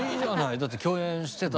だって共演してた。